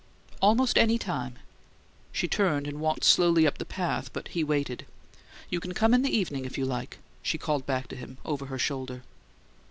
"Almost any time." She turned and walked slowly up the path, but he waited. "You can come in the evening if you like," she called back to him over her shoulder.